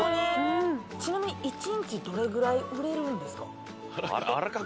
ちなみに一日どれぐらい売れるんですか？